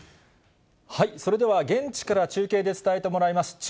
それでは、現地から中継で伝えてもらいます。